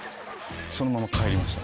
そのまま帰りました。